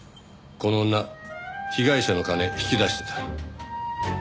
この女被害者の金引き出してた。